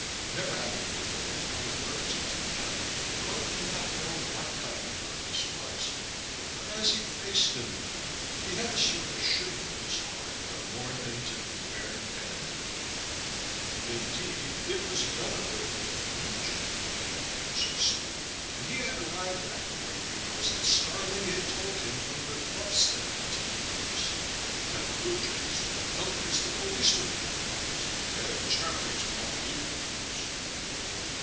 Never having lived among other birds until now, the crow did not know what kind of bird this was, but as he faced the new comer he had a sort of shiver in his heart that warned him to beware an enemy. Indeed, it was none other than the Blue Jay that had appeared so suddenly, and he had arrived that morning because the starling had told him of the thefts that had taken place, and the Blue Jay is well known as the policeman of the forest and a terror to all evil doers.